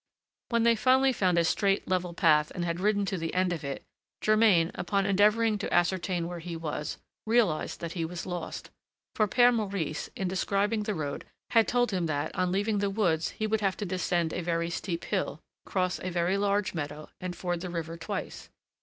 When they finally found a straight, level path, and had ridden to the end of it, Germain, upon endeavoring to ascertain where he was, realized that he was lost; for Père Maurice, in describing the road, had told him that, on leaving the woods, he would have to descend a very steep hill, cross a very large meadow, and ford the river twice.